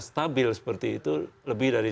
stabil seperti itu lebih dari